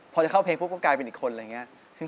พอเข้าเพลงก็กลายเป็นอีกคน